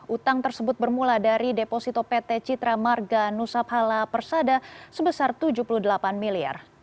utang tersebut bermula dari deposito pt citra marga nusapala persada sebesar rp tujuh puluh delapan miliar